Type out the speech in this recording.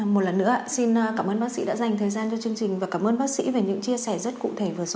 một lần nữa xin cảm ơn bác sĩ đã dành thời gian cho chương trình và cảm ơn bác sĩ về những chia sẻ rất cụ thể vừa rồi